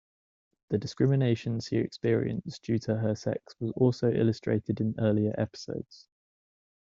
The discrimination she experienced due to her sex was also illustrated in earlier episodes.